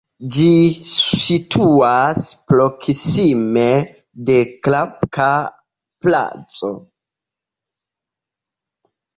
Ĝi situas proksime de Klapka-Placo.